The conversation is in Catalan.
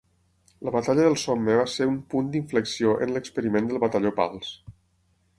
La Batalla del Somme va ser un punt d'inflexió en l'experiment del batalló Pals.